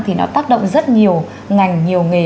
thì nó tác động rất nhiều ngành nhiều nghề